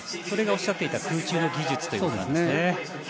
それがおっしゃっていた空中の技術ということなんですね。